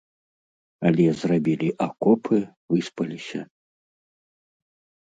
Але зрабілі акопы, выспаліся.